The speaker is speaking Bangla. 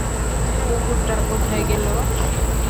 কুকুরটা কোথায় গেল?